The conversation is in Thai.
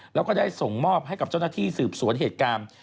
แล้วก็ได้ส่งมอบให้กับเจ้าหน้าที่สืบสวนเหตุการณ์